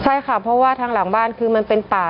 ใช่ค่ะเพราะว่าทางหลังบ้านคือมันเป็นป่า